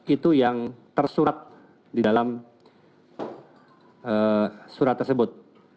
itu yang tersurat didalam surat tersebut